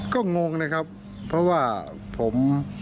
ก็งงนะครับเพราะว่าผม